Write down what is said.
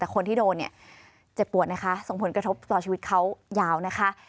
แต่คนที่โดนเนี่ยเจ็บปวดนะคะส่งผลกระทบต่อชีวิตเขายาวนะคะ